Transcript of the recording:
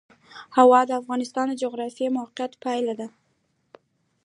هوا د افغانستان د جغرافیایي موقیعت پایله ده.